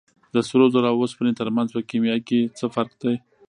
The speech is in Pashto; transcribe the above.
د سرو زرو او اوسپنې ترمنځ په کیمیا کې څه فرق دی